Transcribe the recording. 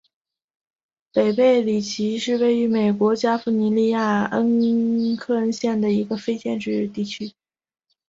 北贝里奇是位于美国加利福尼亚州克恩县的一个非建制地区。